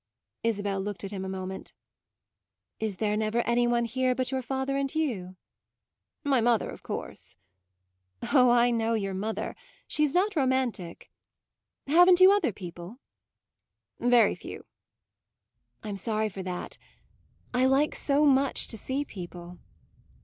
Isabel looked at him a moment. "Is there never any one here but your father and you?" "My mother, of course." "Oh, I know your mother; she's not romantic. Haven't you other people?" "Very few." "I'm sorry for that; I like so much to see people."